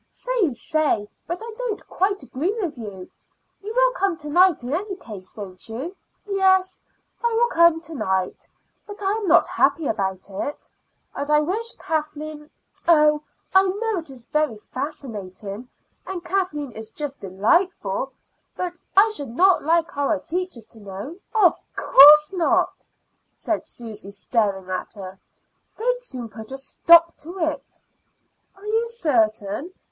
"So you say, but I don't quite agree with you. You will come to night, in any case, won't you?" "Yes, I will come to night; but I am not happy about it, and I wish Kathleen Oh, I know it is very fascinating, and Kathleen is just delightful, but I should not like our teachers to know." "Of course not," said Susy, staring at her. "They'd soon put a stop to it." "Are you certain?